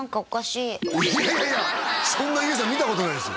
いやいやそんなＹＯＵさん見たことないです